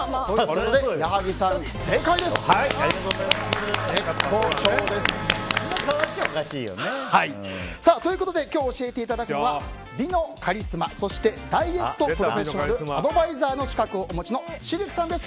そんなに変わっちゃおかしいよね。ということで今日教えていただくのは美のカリスマそしてダイエットプロフェッショナルアドバイザーの資格をお持ちのシルクさんです。